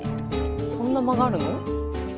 そんな曲がるの？